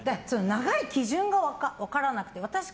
長い基準が分からなくて。